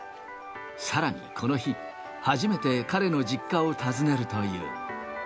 さらにこの日、初めて彼の実家を訪ねるという。